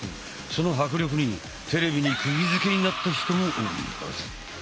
その迫力にテレビにくぎづけになった人も多いはず。